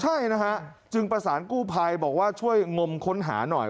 ใช่นะฮะจึงประสานกู้ภัยบอกว่าช่วยงมค้นหาหน่อย